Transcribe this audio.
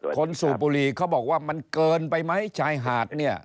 สูบบุหรี่เขาบอกว่ามันเกินไปไหมชายหาดเนี่ย